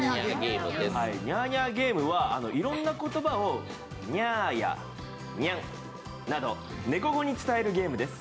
「ニャーニャーゲーム」はいろんな言葉をニャーやニャンなど猫語で伝えるゲームです。